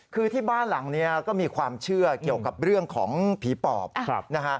คือที่บ้านหลังนี้ก็มีความเชื่อเกี่ยวกับเรื่องของผีปอบนะฮะ